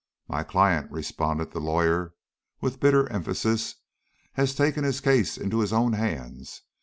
"My client," responded the lawyer, with bitter emphasis, "has taken his case into his own hands.